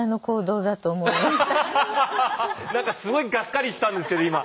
なんかすごいがっかりしたんですけど今。